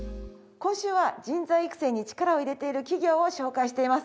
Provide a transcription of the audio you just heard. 今週は人材育成に力を入れている企業を紹介しています。